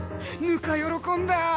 ぬか喜んだ！